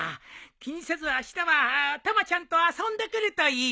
気にせずあしたはたまちゃんと遊んでくるといい。